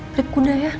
prip kuda ya